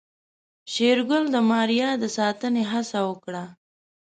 شېرګل د ماريا د ساتنې هڅه وکړه.